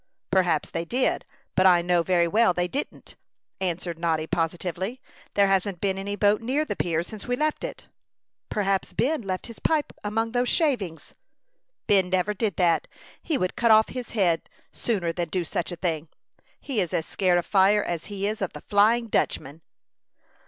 "Perhaps they did; but I know very well they didn't," answered Noddy, positively. "There hasn't been any boat near the pier since we left it." "Perhaps Ben left his pipe among those shavings." "Ben never did that. He would cut his head off sooner than do such a thing. He is as scared of fire as he is of the Flying Dutchman."